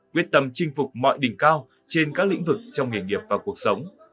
quyết tâm chinh phục mọi đỉnh cao trên các lĩnh vực trong nghề nghiệp và cuộc sống